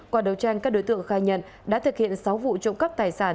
qua đấu tranh các đối tượng khai nhận đã thực hiện sáu vụ trộm cắp tài sản